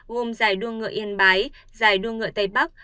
gồm giải đua ngựa yên bái giải đua ngựa tây bắc